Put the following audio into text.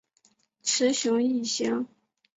雌雄异型。